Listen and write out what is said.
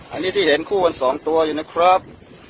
อันนี้ที่เห็นคู่กัน๒ตัวอยู่นะครับ